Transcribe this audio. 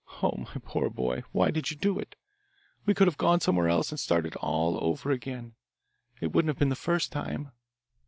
Oh, my poor boy, why did you do it? We could have gone somewhere else and started all over again it wouldn't have been the first time."